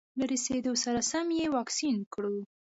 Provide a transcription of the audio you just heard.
له رسېدو سره سم یې واکسین کړو.